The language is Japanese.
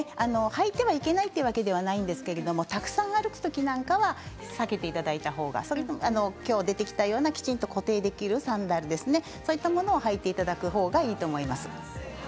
履いてはいけないというわけではないんですけどたくさん歩くときなんかは避けていただいたほうがきょう出てきたようなきちんと固定できるサンダルのようなものを履いていただいたほうがいいと思います。